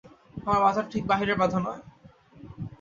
আমাদের বাধাটা ঠিক বাইরের বাধা নয়।